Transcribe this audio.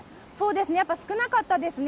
やっぱ少なかったですね。